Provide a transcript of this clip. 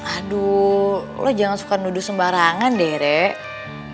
aduh lo jangan suka nuduh sembarangan deh rek